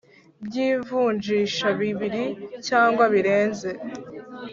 by ivunjisha bibiri cyangwa birenze